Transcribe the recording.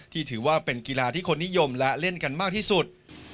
ถือว่าเป็นกีฬาที่คนนิยมและเล่นกันมากที่สุด